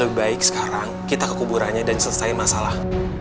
lebih baik sekarang kita ke kuburannya dan selesaikan masalah